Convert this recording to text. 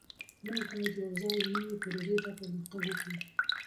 موږ باید یوځای نوې پروژې ته پرمختګ وکړو.